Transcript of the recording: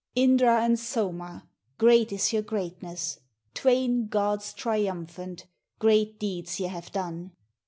] Indra and Soma, great is your greatness! Twain gods triumphant, great deeds ye have done.